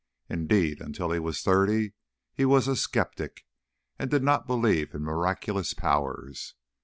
Indeed, until he was thirty he was a sceptic, and did not believe in miraculous powers.